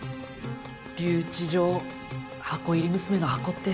留置場箱入り娘の箱って。